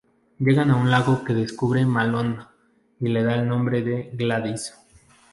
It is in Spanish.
Llegan a un lago que descubre Malone y le da el nombre de Gladys.